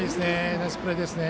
ナイスプレーです。